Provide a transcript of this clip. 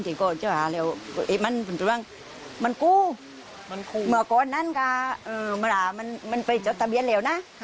โดนขู่ดังคับให้ไปจดทะเบียน